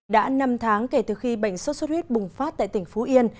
đã năm tháng kể từ khi bệnh sốt xuất huyết bùng phát tại tỉnh phú yên